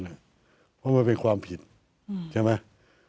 เพราะมันเป็นความผิดใช่ไหม